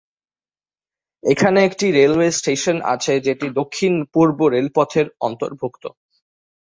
এখানে একটি railway station আছে যেটি দক্ষিণ-পূর্ব রেলপথের অন্তর্ভুক্ত।